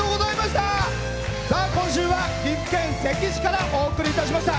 今週は、岐阜県関市からお送りいたしました。